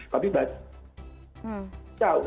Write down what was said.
tapi bahasa indonesia